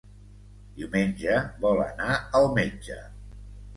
Diumenge vol anar al metge.